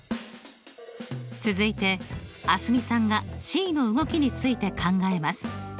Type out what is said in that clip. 続いて蒼澄さんがｃの動きについて考えます。